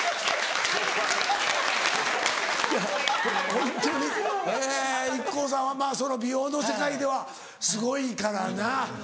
ホントにＩＫＫＯさんはまぁその美容の世界ではすごいからな。